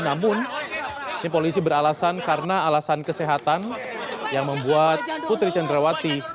namun ini polisi beralasan karena alasan kesehatan yang membuat putri cendrawati